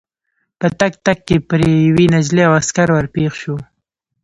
په تګ تګ کې پر یوې نجلۍ او عسکر ور پېښ شوو.